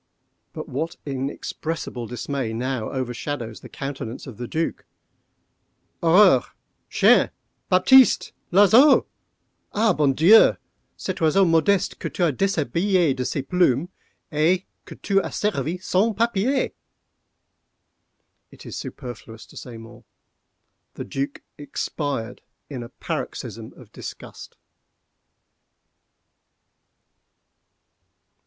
But what inexpressible dismay now overshadows the countenance of the Duc?—"_Horreur!—chien! Baptiste!—l'oiseau! ah, bon Dieu! cet oiseau modeste que tu as déshabillé de ses plumes, et que tu as servi sans papier!_" It is superfluous to say more:—the Duc expired in a paroxysm of disgust.